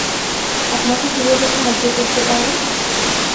আপনাকে কীভাবে সাহায্য করতে পারি?